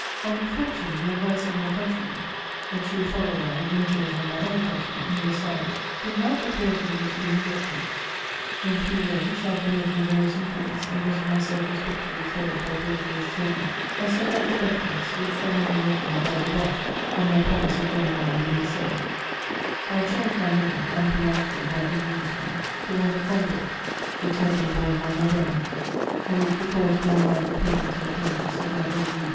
On reflection, the advice of my countryman (a true follower and imitator of my other countryman, Le Sage) did not appear to me to be neglected. In three days, after making various inquiries, and getting myself respectably clothed by Pelle1ier*8 tailor, I set out for Beccles, with some money lent me by De boffe, on my promise of going on with the EssaL I changed my name, unpronounceable by any Englishman, to that of Combourg, wmch had been borne by my brother, and which recalled to my mind the pains and pleasures of my early youth.